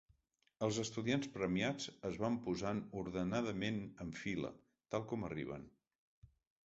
Els estudiants premiats es van posant ordenadament en fila, tal com arriben.